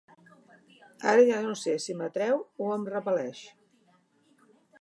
Ara ja no sé si m'atreu o em repel·leix.